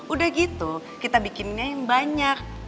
udah gitu kita bikinnya yang banyak